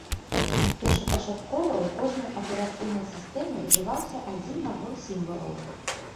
Першапачаткова ў кожнай аперацыйнай сістэме ўжываўся адзін набор сімвалаў.